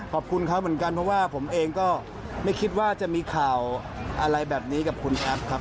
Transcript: ขอบคุณเขาเหมือนกันเพราะว่าผมเองก็ไม่คิดว่าจะมีข่าวอะไรแบบนี้กับคุณแอฟครับ